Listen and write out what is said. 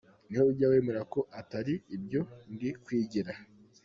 Ni we ujya wemera ko atari ibyo ndi kwigira.